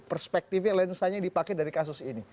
perspektif yang lain misalnya yang dipakai dari kasus ini